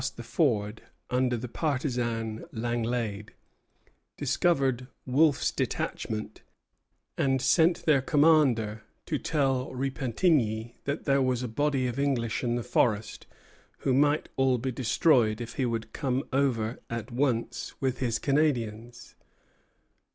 Four hundred Indians passed the ford under the partisan Langlade, discovered Wolfe's detachment, hid themselves, and sent their commander to tell Repentigny that there was a body of English in the forest, who might all be destroyed if he would come over at once with his Canadians.